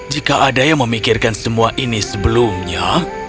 jika ada yang memikirkan semua ini sebelumnya